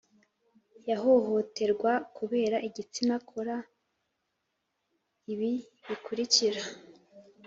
guhohoterwa kubera igitsina kora ibi bikurikira: